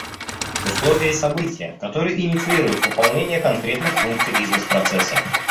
Условия и события, которые инициируют выполнение конкретных функций бизнес-процесса